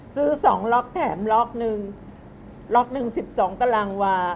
ซื้อสองล็อคแถมล็อคหนึ่งล็อคหนึ่งสิบสองตารางวา